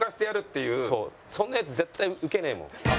そんなヤツ絶対ウケねえもん。